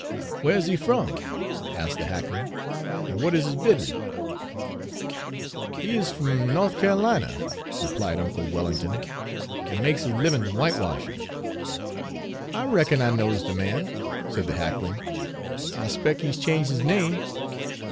"Where is he from?" asked the hackman, "and what is his business?" "He is f'm Norf Ca'lina," replied uncle Wellington, "an' makes his livin' w'ite washin'." "I reckon I knows de man," said the hackman. "I 'spec' he 's changed his name.